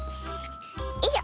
よいしょ！